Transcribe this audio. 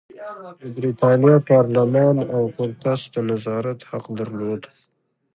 د برېتانیا پارلمان او کورتس د نظارت حق درلود.